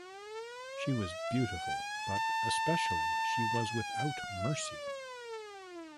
She was beautiful — but especially she was without mercy.